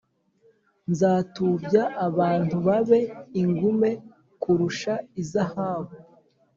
Nzatubya abantu babe ingume kurusha izahabu